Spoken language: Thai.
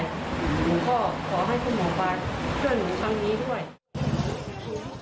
หนูก็ขอให้คุณหมอปลาเข้าหนูทั้งนี้ด้วย